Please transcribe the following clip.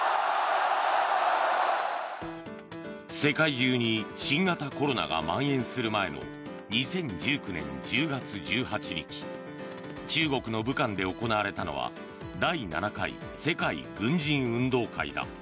世界中に新型コロナがまん延する前の２０１９年１０月１８日中国の武漢で行われたのは第７回世界軍人運動会だ。